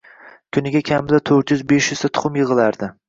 Kuniga kamida to`rt yuz-besh yuzta tuxum yig`ilardi